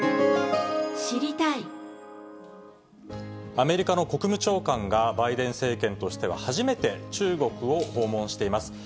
アメリカの国務長官が、バイデン政権としては初めて中国を訪問しています。